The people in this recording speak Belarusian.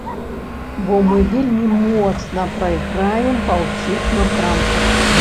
Бо мы вельмі моцна прайграем па ўсіх напрамках.